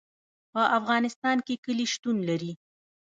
په افغانستان کې کلي شتون لري.